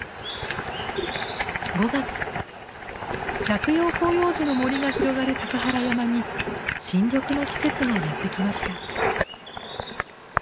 落葉広葉樹の森が広がる高原山に新緑の季節がやって来ました。